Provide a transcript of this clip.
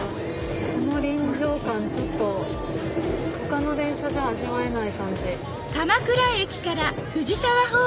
この臨場感ちょっと他の電車じゃ味わえない感じ。